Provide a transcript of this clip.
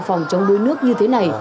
phòng chống đuối nước như thế này